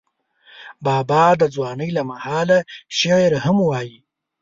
بابا د ځوانۍ له مهاله شعر هم وایه.